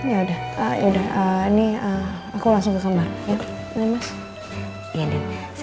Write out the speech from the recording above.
ya udah ini aku langsung ke kamar ya mas